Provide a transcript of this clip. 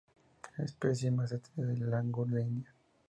Es la especie más extendida de langur en India.